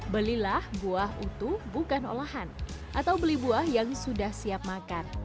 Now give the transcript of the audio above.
belilah buah utuh bukan olahan atau beli buah yang sudah siap makan